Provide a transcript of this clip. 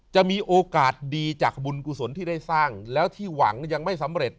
จะมีโอกาสดีจากบุญกุศลที่ได้สร้างแล้วที่หวังยังไม่สำเร็จ